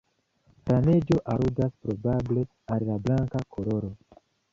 La neĝo aludas probable al la blanka koloro.